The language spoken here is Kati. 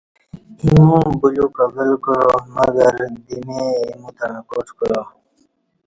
ایمو بلیوک ابل کعا مگر دمیۓ ایموتݩع کاٹ کعا۔